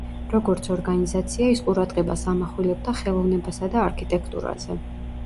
როგორც ორგანიზაცია, ის ყურადღებას ამახვილებდა ხელოვნებასა და არქიტექტურაზე.